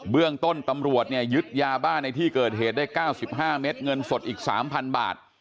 เรื่องต้นตำรวจเนี่ยยึดยาบ้าในที่เกิดเหตุได้๙๕เมตรเงินสดอีก๓๐๐บาท